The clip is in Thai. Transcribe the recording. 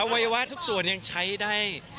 วัยวะทุกส่วนยังใช้ได้